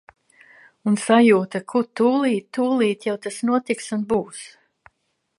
Un sajūta, ka tulīt tulīt jau tas notiks un būs!